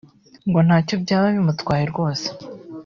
ngo ntacyo byaba bimutwaye rwose